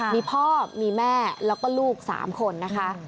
มีพ่อมีแม่แล้วก็ลูก๓คนนะคะ